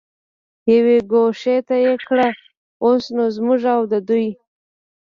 یوې ګوښې ته یې کړ، اوس نو زموږ او د دوی.